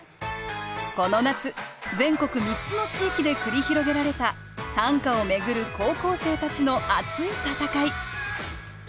この夏全国３つの地域で繰り広げられた短歌を巡る高校生たちの熱い戦い。